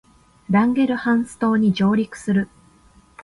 ランゲルハンス島に上陸する